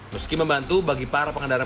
meski membantu bagi para pengendara